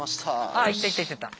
あいったいったいった。